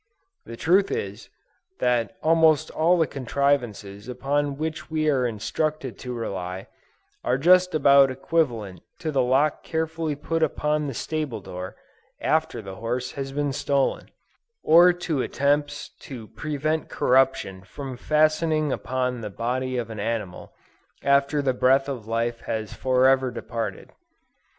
The truth is, that almost all the contrivances upon which we are instructed to rely, are just about equivalent to the lock carefully put upon the stable door, after the horse has been stolen; or to attempts to prevent corruption from fastening upon the body of an animal, after the breath of life has forever departed.